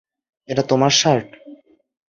এটা তোমার শার্ট?